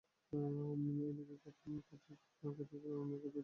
এদিকে কর্তৃপক্ষ একাধিকবার আমিনার খোঁজে তাঁর ঠিকানায় চিঠি পাঠায়।